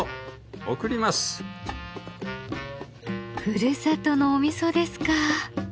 ふるさとのお味噌ですか。